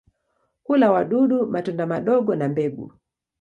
Hula wadudu, matunda madogo na mbegu.